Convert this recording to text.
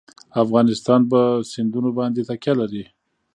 افغانستان په سیندونه باندې تکیه لري.